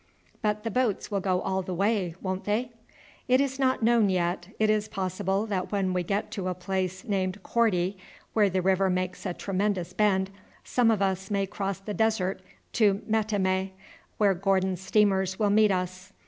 "But the boats will go all the way, won't they?" "It is not known yet. It is possible that when we get to a place named Korti, where the river makes a tremendous bend, some of us may cross the desert to Metemmeh, where Gordon's steamers will meet us.